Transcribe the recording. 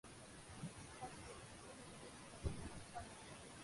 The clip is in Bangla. ফলে উডি নিজেকে বঞ্চিত মনে করে।